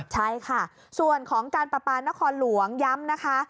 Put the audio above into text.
ใช่ค่ะส่วนของการประปานครหลวงย้ำนะคะ